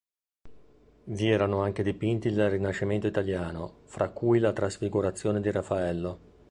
Vi erano anche dipinti del Rinascimento italiano fra cui la Trasfigurazione di Raffaello.